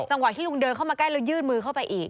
แล้วจังหวะที่ท่านเดินแก้ระยื้อนมือเข้าไปอีก